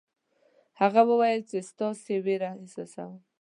هغه وویل چې زه ستاسې وېره احساسوم.